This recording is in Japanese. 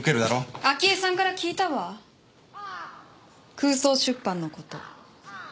空想出版の事。